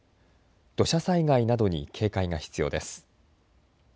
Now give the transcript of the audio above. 土砂災害などに警戒が必要です。